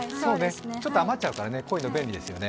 ちょっと余っちゃうからこういうの便利ですよね。